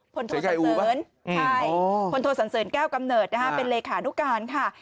โทสันเสริญใช่พลโทสันเสริญแก้วกำเนิดนะคะเป็นเลขานุการค่ะ